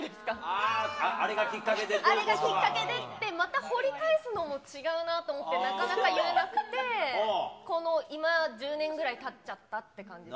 あー、あれがきっかけでどうあれがきっかけでって、また掘り返すのも違うなと思って、なかなか言えなくて、この、今１０年ぐらいたっちゃったっていう感じです。